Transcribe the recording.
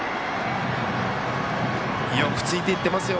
よくついていってますよ